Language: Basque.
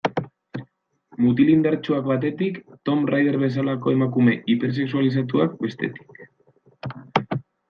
Mutil indartsuak batetik, Tomb Raider bezalako emakume hipersexualizatuak bestetik.